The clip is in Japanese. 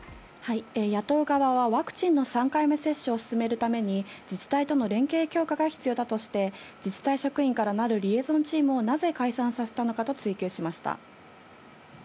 野党側はワクチンの３回目接種を進めるために自治体との連携強化が必要だとして、自治体からなるリエゾンチームをなぜ解散させたのかと追及しました。